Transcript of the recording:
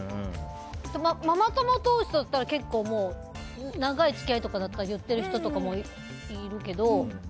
ママ友同士だったら結構長い付き合いとかだったら言ってる人とかもいるけど。